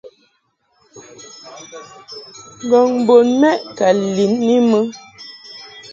Ngɔŋ bun mɛʼ ka lin I mɨ.